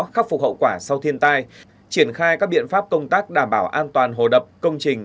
khắc phục hậu quả sau thiên tai triển khai các biện pháp công tác đảm bảo an toàn hồ đập công trình